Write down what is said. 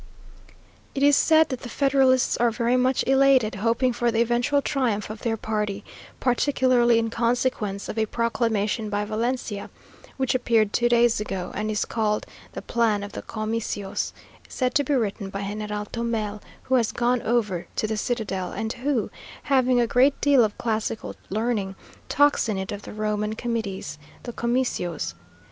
It is said that the federalists are very much elated, hoping for the eventual triumph of their party, particularly in consequence of a proclamation by Valencia, which appeared two days ago, and is called "the plan of the Comicios," said to be written by General Tomel, who has gone over to the citadel, and who, having a great deal of classical learning, talks in it of the Roman Committees (the Comicios).